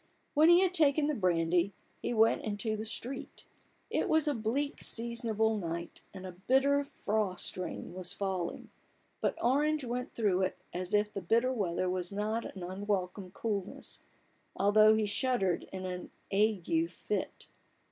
When he had taken the brand} 7 , he went into the street. It was a bleak seasonable night, and a bitter frost rain was falling : but Orange went through it, as if the bitter weather was a not unwelcome coolness, although he shuddered in an ague fit.